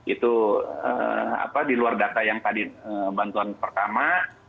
itu di luar data yang tadi bantuan pertama